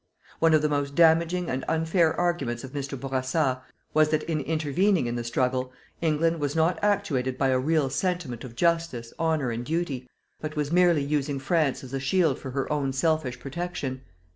One of the most damaging and unfair arguments of Mr. Bourassa was that in intervening in the struggle, England was not actuated by a real sentiment of justice, honour and duty, but was merely using France as a shield for her own selfish protection.